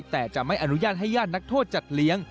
แต่จะไม่อนุญาตให้ญาตินักโทษจัดเลี้ยง